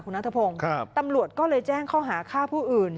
นัทพงศ์ตำรวจก็เลยแจ้งข้อหาฆ่าผู้อื่น